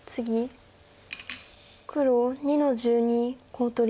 黒２の十二コウ取り。